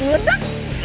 enggak peduli tuh cabut